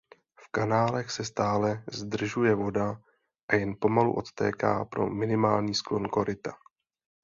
V kanálech se stále zdržuje voda a jen pomalu odtéká pro minimální sklon koryta.